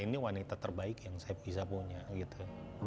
ini wanita terbaik yang saya bisa punya gitu